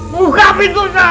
buka pintu nak